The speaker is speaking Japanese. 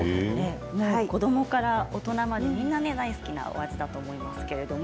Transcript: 子どもから大人までみんな大好きなお味かと思います。